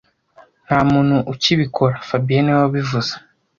Nta muntu ukibikora fabien niwe wabivuze